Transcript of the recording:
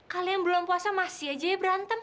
kalian belum puasa masih aja ya berantem